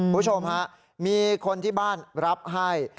คุณผู้ชมฮะมีคนที่บ้านรับให้